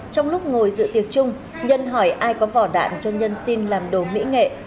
trong lúc ngồi dự tiệc chung nhân hỏi ai có vỏ đạn cho nhân xin làm đồ mỹ nghệ